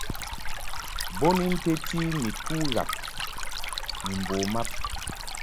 Bo ni nteti ni tu yab ni mbo mab.